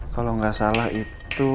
kalo gak salah itu